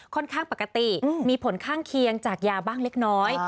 ข้างปกติมีผลข้างเคียงจากยาบ้างเล็กน้อย